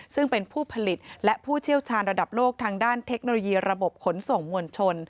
ซึ่งเป็นผู้ผลิตและผู้เชี่ยวชาญระดับโลกทางด้านเทคโนโลยีระบบขนส่งมวลชน